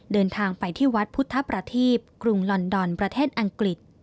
เดินทางไปที่วัดพุทธประทีปกรุงลอนดอนประเทศอังกฤษ